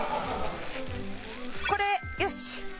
これよし！